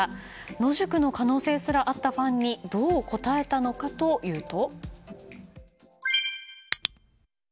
野宿の可能性すらあったファンにどう応えたのかというと。